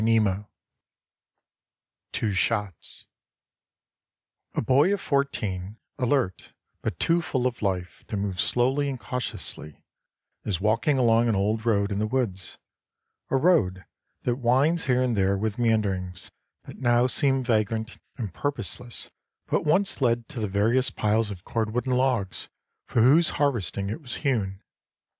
XXXIX TWO SHOTS A boy of fourteen, alert, but too full of life to move slowly and cautiously, is walking along an old road in the woods, a road that winds here and there with meanderings that now seem vagrant and purposeless but once led to the various piles of cordwood and logs for whose harvesting it was hewn.